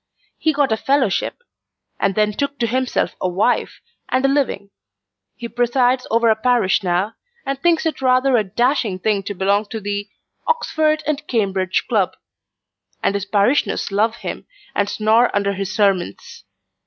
He got a fellowship: and then took to himself a wife, and a living. He presides over a parish now, and thinks it rather a dashing thing to belong to the 'Oxford and Cambridge Club;' and his parishioners love him, and snore under his sermons.